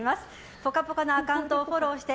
「ぽかぽか」のアカウントをフォローして